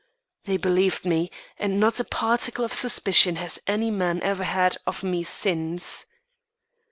They believed me, and not a particle of suspicion has any man ever had of me since.